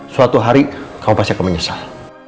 suatu hari kamu pasti akan menyesal